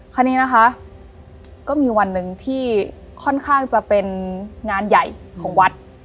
คราวนี้นะคะก็มีวันหนึ่งที่ค่อนข้างจะเป็นงานใหญ่ของวัด